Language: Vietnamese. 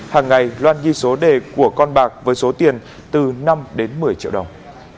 hàng ngày loan ghi số đề của con bạc với số tiền từ năm đến một mươi triệu đồng